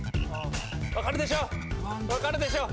分かるでしょ。